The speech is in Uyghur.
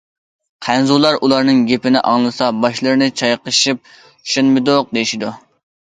خەنزۇلار ئۇلارنىڭ گېپىنى ئاڭلىسا باشلىرىنى چايقىشىپ چۈشەنمىدۇق دېيىشىدۇ.